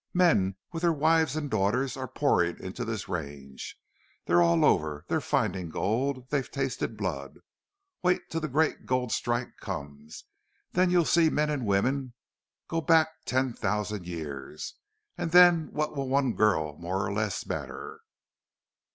Men with their wives and daughters are pouring into this range. They're all over. They're finding gold. They've tasted blood. Wait till the great gold strike comes! Then you'll see men and women go back ten thousand years... And then what'll one girl more or less matter?"